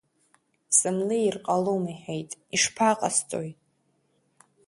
Сымлеир ҟалом, — иҳәеит, ишԥаҟасҵои?